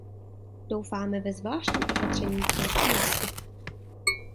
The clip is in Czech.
Doufáme ve zvláštní opatření v této oblasti.